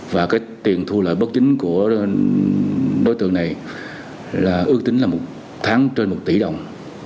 và cái tiền thu lợi bất chính của đối tượng này là ước tính là một tháng trên một tỷ đồng